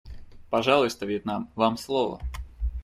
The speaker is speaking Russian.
Пожалуйста, Вьетнам, вам слово.